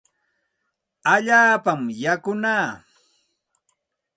Allaapami yakunaa.